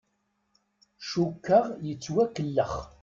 Cukkeɣ yettwakellex.